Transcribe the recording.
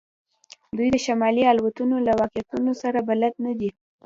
دوی د شمالي الوتنو له واقعیتونو سره بلد نه دي